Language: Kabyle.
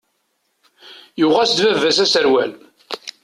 Yuɣ-as-d baba-s aserwal.